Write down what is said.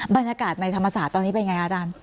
บรรยากาศในธรรมศาสตร์ตอนนี้เป็นไงคะอาจารย์